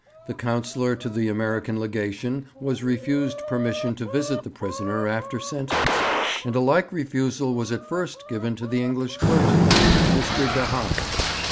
The Councillor to the American Legation was refused permission to visit the prisoner after sentence, and a like refusal was at first given to the English clergyman, Mr. Gahan.